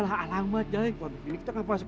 kalau gitu mari kita santap